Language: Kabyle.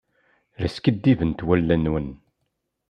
La skiddibent wallen-nwen.